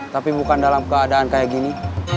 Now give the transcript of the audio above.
tapi bukan dalam keadaan kayak gini